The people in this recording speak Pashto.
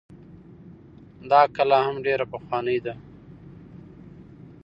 دا کلا هم ډيره پخوانۍ ده